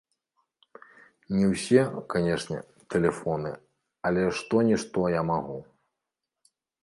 Не ўсе, канечне, тэлефоны, але што-нішто я магу.